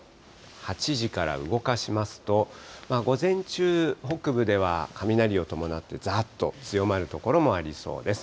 ８時から動かしますと、午前中、北部では雷を伴ってざーっと強まる所もありそうです。